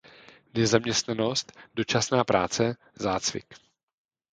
Nezaměstnanost, dočasná práce, zácvik.